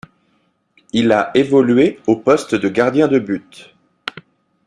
Il a évolué au poste de gardien de but.